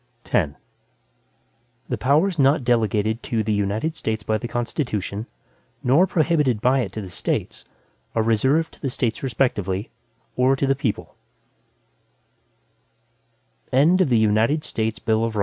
X The powers not delegated to the United States by the Constitution, nor prohibited by it to the States, are reserved to the States respectively, or to the people.